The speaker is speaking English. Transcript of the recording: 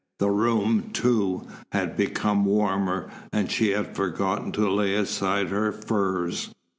The room, too, had become warmer and she had forgotten to lay aside her furs.